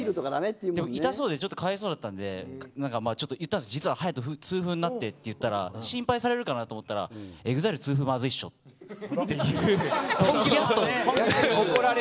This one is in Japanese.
でも、痛そうでちょっとかわいそうだったんで実は隼、痛風になってって言ったら心配されるかなと思ったらＥＸＩＬＥが痛風はまずいでしょって。